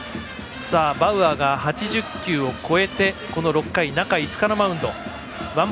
バウアーが８０球を超えてこの６回、中５日のマウンド。